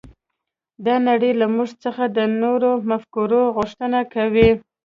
دا نړۍ له موږ څخه د نویو مفکورو غوښتنه کوي